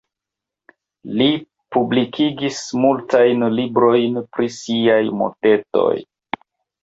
Li publikigis multajn librojn pri siaj motetoj.